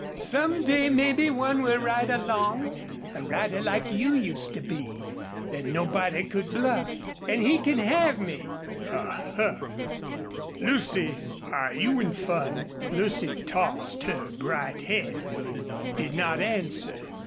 Some day maybe one will ride along a rider like you used to be that nobody could bluff.... And he can have me!" "A huh! ... Lucy, are you in fun?" Lucy tossed her bright head, but did not answer.